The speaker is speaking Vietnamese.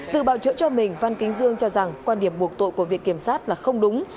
từ bảo chữa cho mình văn kính dương cho rằng quan điểm buộc tội của viện kiểm sát là không đúng